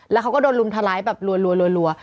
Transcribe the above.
แล้วเขาก็โดนรุมทลายแบบรัว